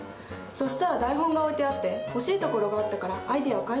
そしたら台本が置いてあって惜しいところがあったからアイデアを書いといたわ。